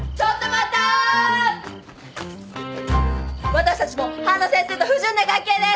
私たちも半田先生と不純な関係です！